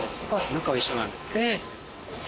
中は一緒なんですけど。